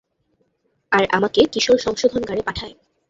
আর আমাকে কিশোর সংশোধনগারে পাঠায়।